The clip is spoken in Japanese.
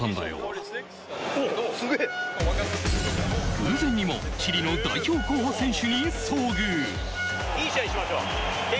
偶然にもチリの代表候補選手に遭遇。